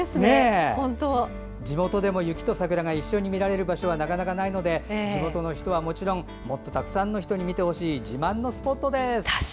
地元でも、雪と桜が一緒に見られる場所はなかなかないので地元の人はもちろんもっとたくさんの人に見てほしい、自慢のスポットです。